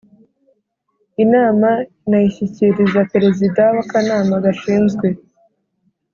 inama anayishyikiriza perezida w'akanama gashinzwe